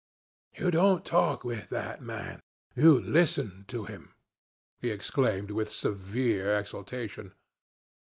'You don't talk with that man you listen to him,' he exclaimed with severe exaltation.